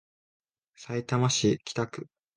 さいたま市北区